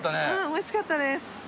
おいしかったです。